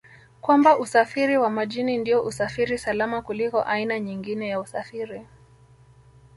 kwamba Usafiri wa Majini ndio usafiri salama kuliko aina nyingine ya usafiri